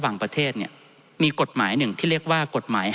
ท่านประธานครับนี่คือสิ่งที่สุดท้ายของท่านครับ